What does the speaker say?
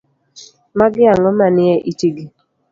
Magi ang'o manie itigi.